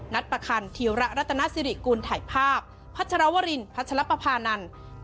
นัทประคันธิวระรัตนาศิริกุณธัยภาพพัชลวรินทร์พัชลปภานันทร์